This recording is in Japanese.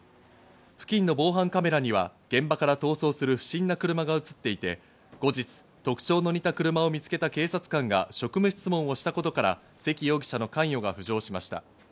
付近の防犯カメラには現場から逃走する不審な車が映っていて、後日、特徴の似た車を見つけた警察官が職務質問をしたことから関容疑者の関与が浮上しました。